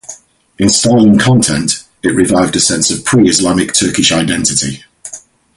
In style and content, it revived a sense of pre-Islamic Turkish identity.